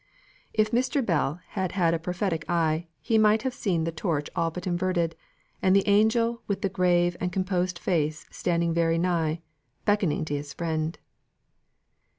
If Mr. Bell had had a prophetic eye he might have seen the torch all but inverted, and the angel with the grave and composed face standing very nigh, beckoning to his friend.